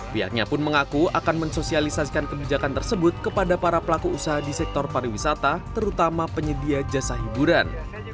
pihaknya pun mengaku akan mensosialisasikan kebijakan tersebut kepada para pelaku usaha di sektor pariwisata terutama penyedia jasa hiburan